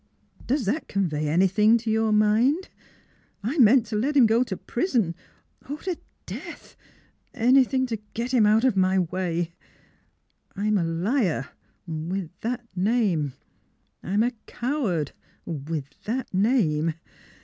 Does that convey anything to your mind? I meant to let him go to prison, or to death anything to get him out of my way! I'm a liar with that name. I'm a coward with that name.